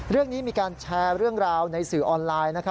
เรื่องนี้มีการแชร์เรื่องราวในสื่อออนไลน์